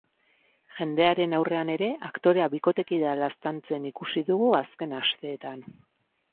Jendearen aurrean ere, aktorea bikotekidea laztantzen ikusi dugu azken asteetan.